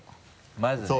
まずね。